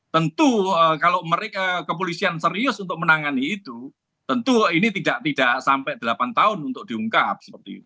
tentu kalau kepolisian serius untuk menangani itu tentu ini tidak sampai delapan tahun untuk diungkap